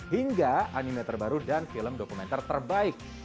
hingga anime terbaru dan film dokumenter terbaik